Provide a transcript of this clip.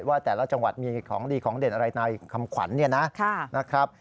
ว่าแต่ละจังหวัดมีของดีของเด่นอะไรในคำขวัญเนี่ยนะครับ